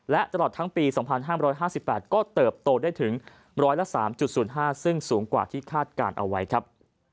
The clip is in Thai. และตลอดทั้งปี๒๕๕๘ก็เติบโตได้ถึง๑๐๓๐๕ซึ่งสูงกว่าที่คาดการณ์เอาไว้ครับ